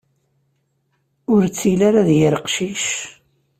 Ur ttili ara d yir aqcic.